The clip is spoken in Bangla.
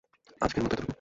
আজকের মতো এতটুকুই।